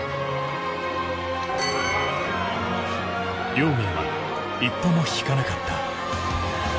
亮明は一歩もひかなかった。